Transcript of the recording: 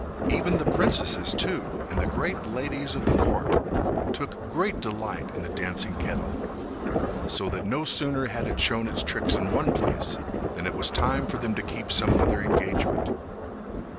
Even the princesses, too, and the great ladies of the court, took great delight in the dancing kettle, so that no sooner had it shown its tricks in one place than it was time for them to keep some other engagement.